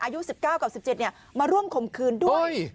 อายุ๑๙กับ๑๗มาร่วมข่มขืนด้วย